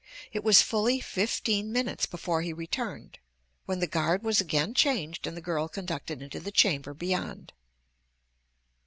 It was fully fifteen minutes before he returned, when the guard was again changed and the girl conducted into the chamber beyond.